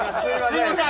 すいません